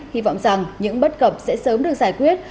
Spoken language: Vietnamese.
hy vọng rằng những bất cập sẽ sớm được giải quyết